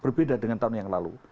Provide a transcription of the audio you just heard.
berbeda dengan tahun yang lalu